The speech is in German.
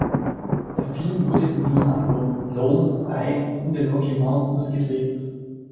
Der Film wurde in Durango, Lone Pine und den Rocky Mountains gedreht.